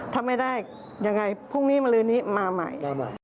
ถ้าไม่ได้ยังไงพรุ่งนี้มาลืนนี้มาใหม่